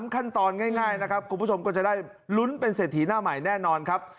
ขั้นตอนง่ายนะครับคุณผู้ชมก็จะได้ลุ้นเป็นเศรษฐีหน้าใหม่แน่นอนครับ